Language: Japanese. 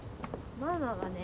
ママはね